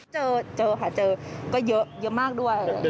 เจอเจอค่ะเจอก็เยอะมากด้วย